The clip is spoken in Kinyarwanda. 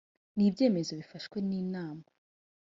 n ibyemezo bifashwe n inama